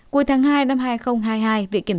cuối tháng hai năm hai nghìn hai mươi hai